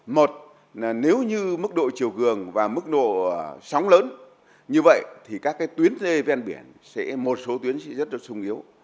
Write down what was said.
một nếu như mức độ chiều cường và mức độ sóng lớn như vậy thì các tuyến dây ven biển một số tuyến sẽ rất là sung yếu